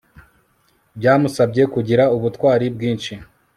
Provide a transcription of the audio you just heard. byamusabye kugira ubutwari bwinshi